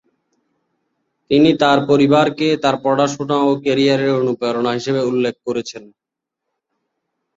তিনি তার পরিবারকে তার পড়াশুনা ও ক্যারিয়ারের অনুপ্রেরণা হিসাবে উল্লেখ করেছেন।